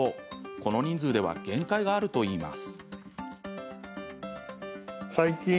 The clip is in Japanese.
この人数では限界があるといいます。